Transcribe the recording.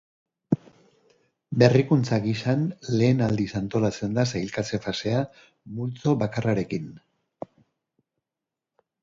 Berrikuntza gisan, lehen aldiz antolatzen da sailkatze fasea multzo bakarrarekin.